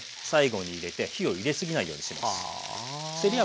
最後に入れて火を入れすぎないようにします。